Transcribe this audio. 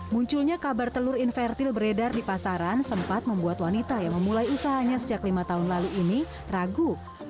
munculnya kabar telur invertil beredar di pasaran sempat membuat wanita yang memulai usahanya sejak lima tahun lalu ini ragu